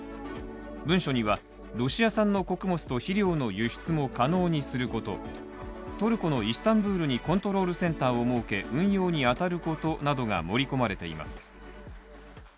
文書にはロシア産の穀物と肥料の輸出も可能にすること、トルコのイスタンブールにコントロールセンターを設け運用に当たることなどが盛り込まれています。